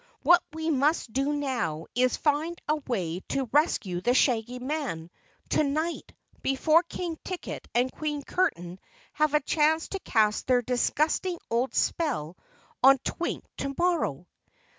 What we must do now is find a way to rescue the Shaggy Man tonight before King Ticket and Queen Curtain have a chance to cast their disgusting old spell on Twink tomorrow."